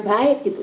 saya bisa keluar